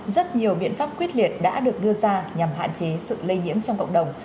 rất nhiều biện pháp quyết liệt đã được đưa ra nhằm hạn chế sự lây nhiễm trong cộng đồng